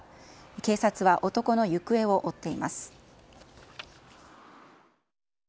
警察は男の行方を追っています。